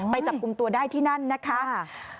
จับกลุ่มตัวได้ที่นั่นนะคะ